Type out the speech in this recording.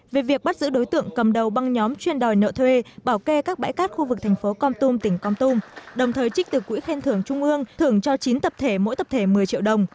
về việc bắt giữ đối tượng cầm đầu băng nhóm chuyên đòi nợ thuê bảo kê các bãi cát khu vực thành phố con tum tỉnh con tum đồng thời trích từ quỹ khen thưởng trung ương thưởng cho chín tập thể mỗi tập thể một mươi triệu đồng